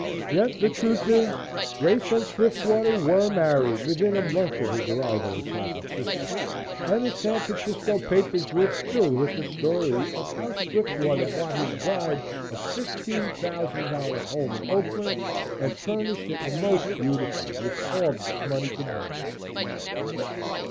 Yet the truth is, Grace and Swiftwater were married within a month of his arrival in San Francisco, and the San Francisco papers were filled with the story of how Swiftwater bought his bride a $15,000 home in Oakland and furnished it most beautifully with all that money could buy.